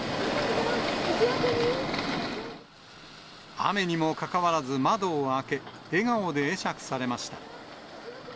雨にもかかわらず窓を開け、笑顔で会釈されました。